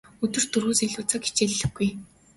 Өдөрт дөрвөөс илүү цаг хичээллэхгүй.